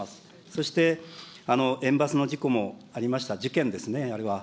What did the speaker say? そして、園バスの事故もありました、事件ですね、あれは。